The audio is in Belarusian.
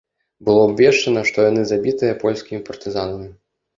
Было абвешчана, што яны забітыя польскімі партызанамі.